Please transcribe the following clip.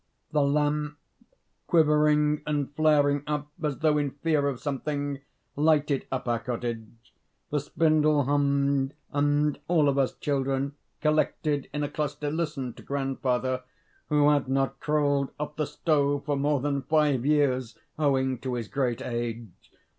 The lamp, quivering and flaring up as though in fear of something, lighted up our cottage; the spindle hummed; and all of us children, collected in a cluster, listened to grandfather, who had not crawled off the stove for more than five years, owing to his great age.